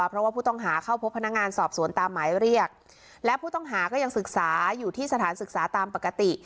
เพราะว่าผู้ต้องหาเข้าพบพนักงานสอบสวนตามหมายเรียกและผู้ต้องหาก็ยังศึกษาอยู่ที่สถานศึกษาตามปกติ